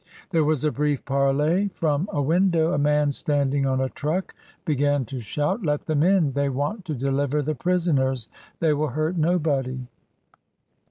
There was a brief parley from a window, a man standing on a truck began to shout — "Let them in! They want to deliver the prisoners! They will hurt nobody."